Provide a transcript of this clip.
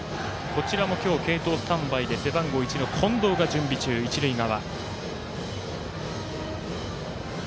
今日、継投スタンバイで背番号１の近藤が準備中、一塁側。